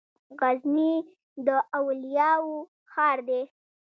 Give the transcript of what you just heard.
غزنی د اولیاوو ښار دی.